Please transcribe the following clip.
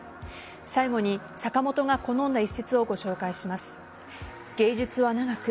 最後に坂本が好んだ一節をご紹介します。